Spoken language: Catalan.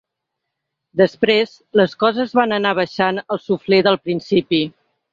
Després, les coses van anar baixant el suflé del principi.